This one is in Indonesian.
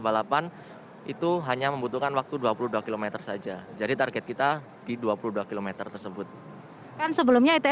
balapan itu hanya membutuhkan waktu dua puluh dua km saja jadi target kita di dua puluh dua km tersebut kan sebelumnya itu